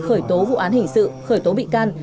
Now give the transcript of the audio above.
khởi tố vụ án hình sự khởi tố bị can